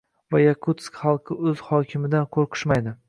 va Yakutsk xalqi o‘z hokimidan qo‘rqishmaydi